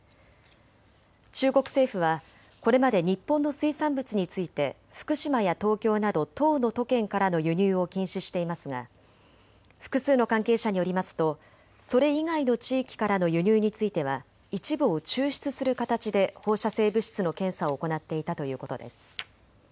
中国政府はこれまで日本の水産物について福島や東京など１０の都県からの輸入を禁止していますが複数の関係者によりますとそれ以外の地域からの輸入については一部を抽出する形で放射性物質の検査を行っていたということです。